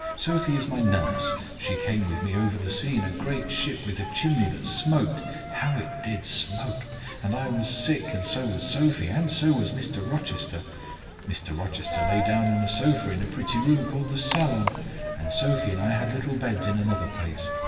Sophie is my nurse; she came with me over the sea in a great ship with a chimney that smoked—how it did smoke!—and I was sick, and so was Sophie, and so was Mr. Rochester. Mr. Rochester lay down on a sofa in a pretty room called the salon, and Sophie and I had little beds in another place.